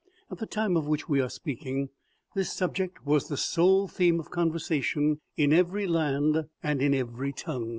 At the time of which we are speaking, this subject was the sole theme of conversation in every land and in every tongue.